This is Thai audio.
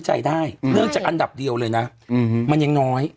เสียงจากอันดับเดียวเลยนะมันยังน้อย